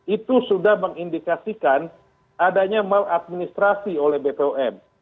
itu sudah mengindikasikan adanya maladministrasi oleh bpom